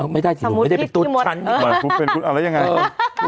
เออไม่ได้สมมุติพิษที่หมดไม่ได้เป็นตุ๊ดเอาแล้วยังไงเออ